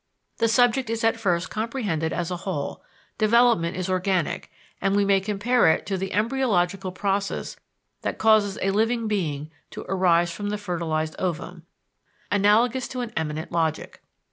The subject is at first comprehended as a whole; development is organic, and we may compare it to the embryological process that causes a living being to arise from the fertilized ovum, analogous to an immanent logic.